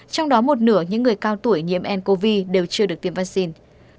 trong đó một nửa những người cao tuổi nhiễm ncov đều chưa được tiêm vaccine